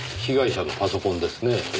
被害者のパソコンですねぇ。